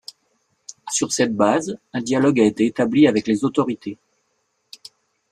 Sur cette base, un dialogue a été établi avec les autorités.